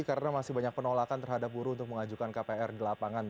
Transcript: karena masih banyak penolakan terhadap buruh untuk mengajukan kpr di lapangan